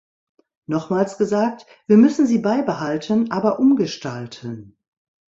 Nochmals gesagt, wir müssen sie beibehalten, aber umgestalten.